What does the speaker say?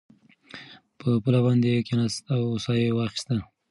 په پوله باندې کېناست او ساه یې واخیسته.